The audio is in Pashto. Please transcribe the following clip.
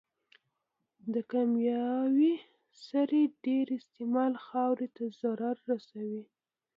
د کيمياوي سرې ډېر استعمال خاورې ته ضرر رسوي.